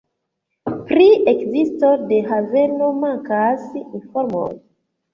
Pri ekzisto de haveno mankas informoj.